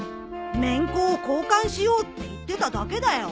めんこを交換しようって言ってただけだよ。